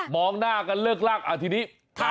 มองหน้ากันเลิกลักอ่ะทีนี้